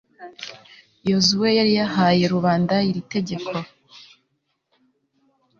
yozuwe yari yahaye rubanda iri tegeko